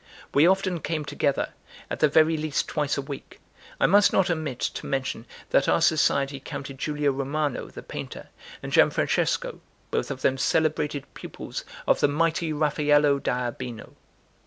We often came together; at the very least twice a week. I must not omit to mention that our society counted Giulio Romano, the painter, and Gian Francesco, both of them celebrated pupils of the mighty Raffaello da Urbino.